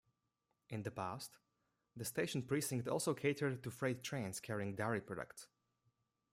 In the past, the station precinct also catered to freight trains carrying dairy products.